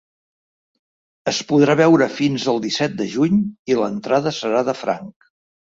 Es podrà veure fins al disset de juny i l’entrada serà de franc.